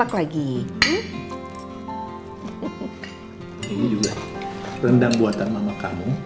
ini juga rendang buatan mama kamu